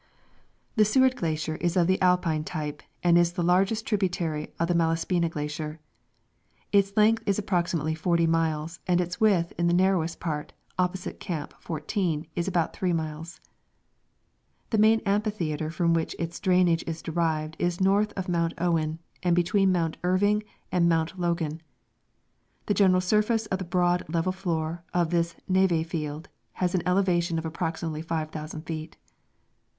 The Seward Glacier is of the Alpine type, and is the largest tributary of the Malaspina glacier. Its length is approximately 40 miles, and its width in the narrowest part, opposite Camp fourteen, is about 3 miles. The main amphitheatre from which its drainage is derived is north of Mount Owen and between Mount Irving and Mount Logan. The general surface of the broad level floor of this neve field has an elevation of approxi mately 5,000 feet.